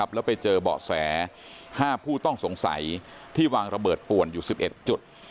แล้วไปเจอเบาะแส๕ผู้ต้องสงสัยที่วางระเบิดป่วนอยู่๑๑จุด